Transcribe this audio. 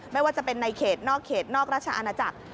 ไม่ว่าจะเป็นในเขตนอกเขตนอกราชอาณาจักร